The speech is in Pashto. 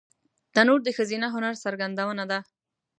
تنور د ښځینه هنر څرګندونه ده